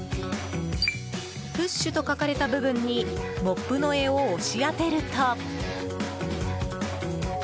プッシュと書かれた部分にモップの柄を押し当てると。